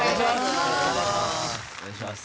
お願いします！